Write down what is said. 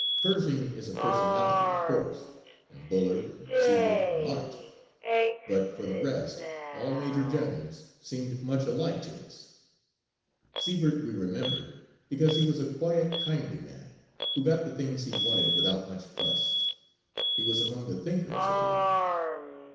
Pershing is a personality, of course, and Bullard and Sibert and March, but for the rest all major generals seemed much alike to us. Sibert we remembered because he was a quiet, kindly man who got the things he wanted without much fuss. He was among the thinkers of the army.